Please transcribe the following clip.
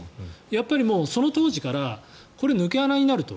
やっぱり、その当時からこれ、抜け穴になると。